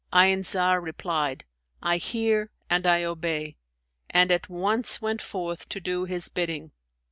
Ayn Zar replied, 'I hear and I obey,' and at once went forth to do his bidding.